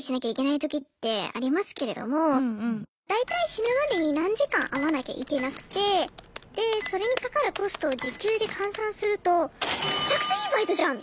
大体死ぬまでに何時間会わなきゃいけなくてでそれにかかるコストを時給で換算するとめちゃくちゃいいバイトじゃん！